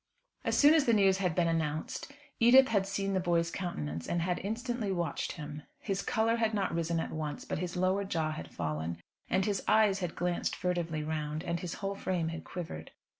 As soon as the news had been announced, Edith had seen the boy's countenance and had instantly watched him. His colour had not risen at once; but his lower jaw had fallen, and his eyes had glanced furtively round, and his whole frame had quivered.